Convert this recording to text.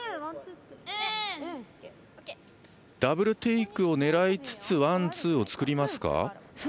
ダブルテイクを狙いつつワン、ツーを作りますか？